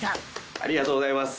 ありがとうございます。